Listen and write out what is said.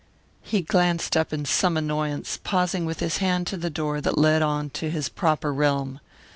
He glanced up in some annoyance, pausing with his hand to the door that led on to his proper realm.